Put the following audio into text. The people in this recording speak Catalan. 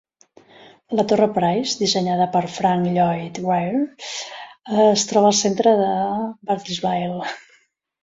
La torre Price, dissenyada per Frank Lloyd Wright, es troba al centre de Bartlesville.